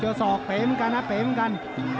เจอศอกเป่มกันนะเป่มกัน